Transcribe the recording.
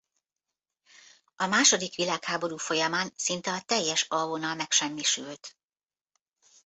A második világháború folyamán szinte a teljes A vonal megsemmisült.